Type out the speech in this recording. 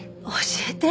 教えて。